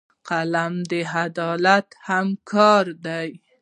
قلم د عدالت همکار دی